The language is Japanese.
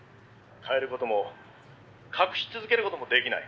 「変える事も隠し続ける事もできない」